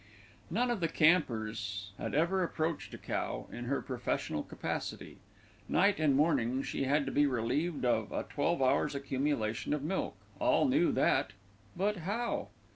None of the campers had ever approached a cow in her professional capacity. Night and morning she had to be relieved of a twelve hours' accumulation of milk, all knew that; but how?